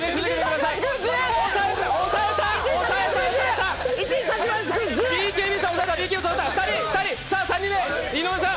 さあ３人目、井上さん！